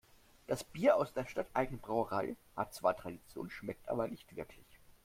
Das Bier aus der stadteigenen Brauerei hat zwar Tradition, schmeckt aber nicht wirklich.